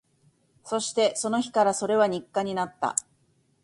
そして、その日からそれは日課になった